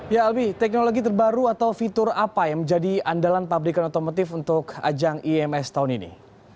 ya albi teknologi terbaru atau fitur apa yang menjadi andalan pabrikan otomotif untuk ajang ims tahun ini